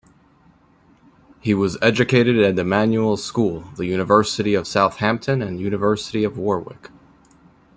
He was educated at Emanuel School, the University of Southampton and University of Warwick.